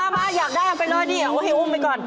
มาอยากได้เอาไปเลยดิเอาไว้ให้อุ้มไปก่อน